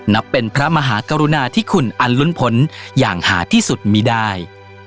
นับเป็นพระมหากรุณาที่คุณอันลุ้นผลอย่างหาที่สุดมีได้